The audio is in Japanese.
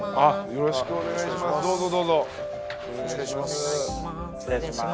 よろしくお願いします。